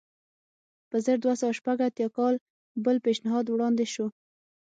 په زر دوه سوه شپږ اتیا کال بل پېشنهاد وړاندې شو.